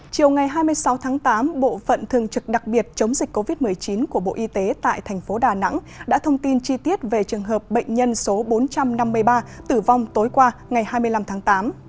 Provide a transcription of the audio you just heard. chiều ngày hai mươi sáu tháng tám bộ phận thường trực đặc biệt chống dịch covid một mươi chín của bộ y tế tại thành phố đà nẵng đã thông tin chi tiết về trường hợp bệnh nhân số bốn trăm năm mươi ba tử vong tối qua ngày hai mươi năm tháng tám